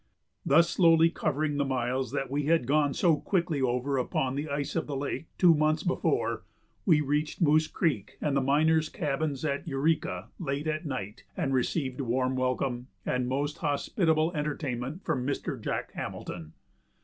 Thus, slowly covering the miles that we had gone so quickly over upon the ice of the lake two months before, we reached Moose Creek and the miners' cabins at Eureka late at night and received warm welcome and most hospitable entertainment from Mr. Jack Hamilton.